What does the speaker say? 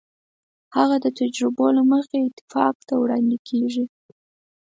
هغه د تجربو له مخې اتفاق ته وړاندې کېږي.